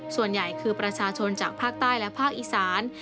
ส่วนใหญ่คือประชาชนจากภาคใต้และภาคอีสาน